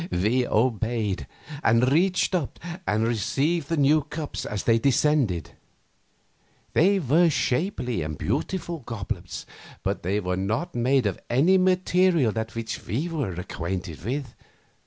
We obeyed, and reached up and received the new cups as they descended. They were shapely and beautiful goblets, but they were not made of any material that we were acquainted with.